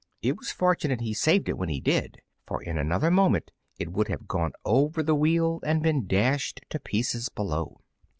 It was fortunate he saved it when he did, for in another moment it would have gone over the wheel and been dashed to pieces far below.